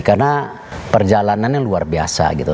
karena perjalanannya luar biasa gitu